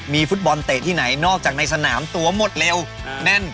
มีฟุตบอลเตะที่ไหนนอกจากในสนามตัวหมดเร็วแน่น